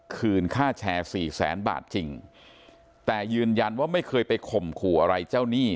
คืนค่าแชร์สี่แสนบาทจริงแต่ยืนยันว่าไม่เคยไปข่มขู่อะไรเจ้าหนี้